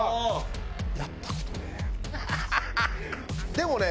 でもね